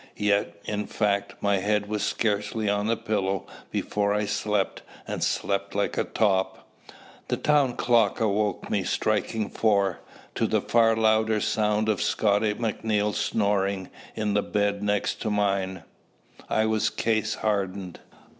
Yet, in fact, my head was scarcely on the pillow before I slept, and slept like a top. The town clock awoke me, striking four. To the far louder sound of Scotty Maclean's snoring, in the bed next to mine, I was case hardened.